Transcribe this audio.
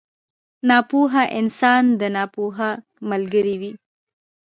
ناپوه انسان د ناپوه ملګری وي.